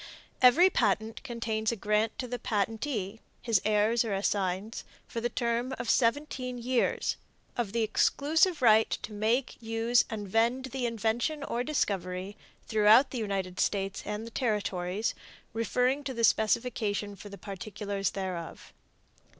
Every patent contains a grant to the patentee, his heirs or assigns, for the term of seventeen years, of the exclusive right to make, use and vend the invention or discovery throughout the United States and the Territories, referring to the specification for the particulars thereof.